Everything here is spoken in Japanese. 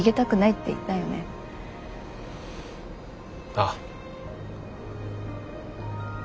ああ。